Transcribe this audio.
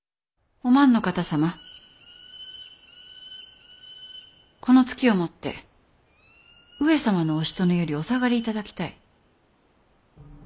お万の方様この月をもって上様のおしとねよりお下がり頂きたい。